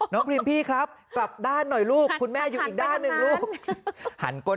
น้องพรีมพี่ครับกราบด้านหน่อยลูก